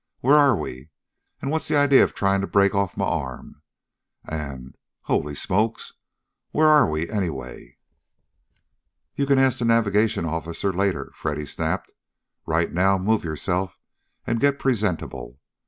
Where are we, and what's the idea of trying to break off my arm? And Holy smokes! Where are we, anyway?" "You can ask the navigation officer, later!" Freddy snapped. "Right now, move yourself, and get presentable.